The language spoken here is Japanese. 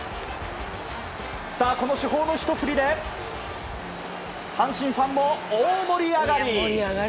この主砲のひと振りで阪神ファンも大盛り上がり。